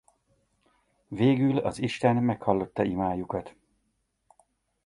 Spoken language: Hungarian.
Végül az isten meghallotta imájukat.